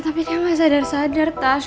tapi dia tidak sadar sadar tash